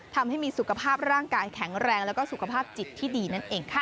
ทำให้มีสุขภาพร่างกายแข็งแรงแล้วก็สุขภาพจิตที่ดีนั่นเองค่ะ